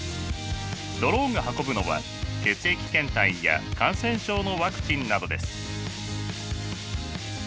ドローンが運ぶのは血液検体や感染症のワクチンなどです。